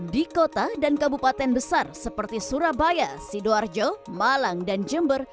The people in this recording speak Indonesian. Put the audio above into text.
di kota dan kabupaten besar seperti surabaya sidoarjo malang dan jember